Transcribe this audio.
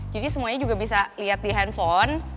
jadi semuanya juga bisa lihat di handphone